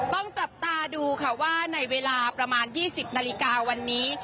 ต้องจับตาดูค่ะว่าในเวลาประมาณ๒๐นาฬิกาวันนี้